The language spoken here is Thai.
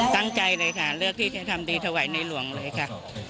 ตั้งใจเลยค่ะเลือกที่จะทำดีถวายในหลวงเลยค่ะ